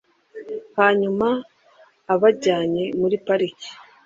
hanyuma ubajyane muri parike